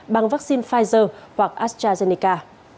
bằng vaccine pfizer hoặc astrazeneca